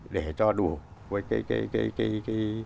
để cho đủ với cái